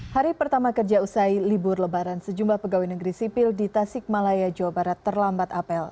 hari pertama kerja usai libur lebaran sejumlah pegawai negeri sipil di tasik malaya jawa barat terlambat apel